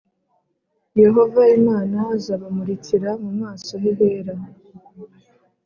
Yehova Imana azabamurikira mu maso he hera